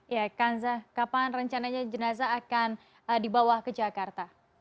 ya kanza kapan rencananya jenazah akan dibawa ke jakarta